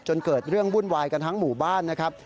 จนเกิดเรื่องวุ่นวายกันทั้งหมู่บ้านนะครับ